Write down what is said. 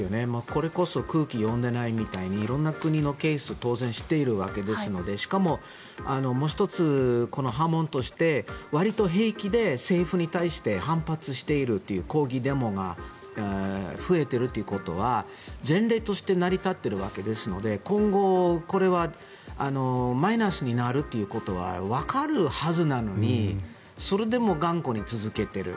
これこそ空気を読んでいないみたいに色んな国のケースを当然知っているわけですのでしかも、もう１つこの波紋として、わりと平気で政府に対して反発しているという抗議デモが増えているということは前例として成り立っているわけですので今後、これはマイナスになるということはわかるはずなのにそれでも頑固に続けている。